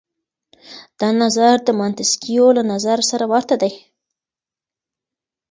دا نظر د منتسکيو له نظره سره ورته دی.